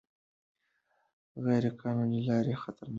غیر قانوني لارې خطرناکې دي.